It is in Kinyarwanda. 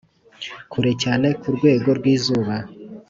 kure cyane kurwego rwizuba